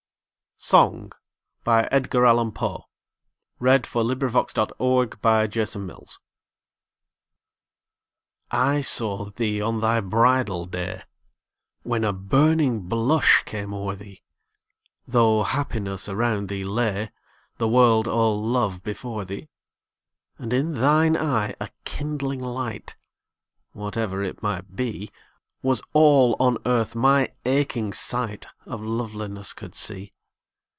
mbles at the beam Of her soul searching eyes. 1829. SONG. I saw thee on thy bridal day When a burning blush came o'er thee, Though happiness around thee lay, The world all love before thee: And in thine eye a kindling light (Whatever it might be) Was all on Earth my aching sight Of Loveliness could see.